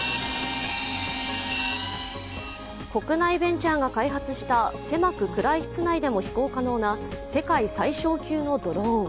国内ベンチャーが開発した狭く暗い室内でも飛行可能な世界最小級のドローン。